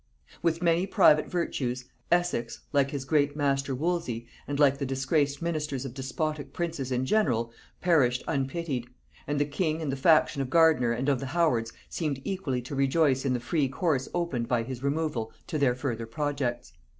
With many private virtues, Essex, like his great master Wolsey, and like the disgraced ministers of despotic princes in general, perished unpitied; and the king and the faction of Gardiner and of the Howards seemed equally to rejoice in the free course opened by his removal to their further projects.